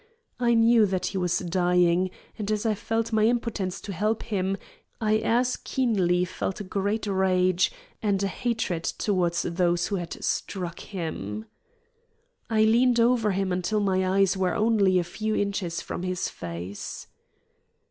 I knew that he was dying, and as I felt my impotence to help him, I as keenly felt a great rage and a hatred toward those who had struck him. I leaned over him until my eyes were only a few inches from his face.